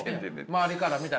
周りから見たら。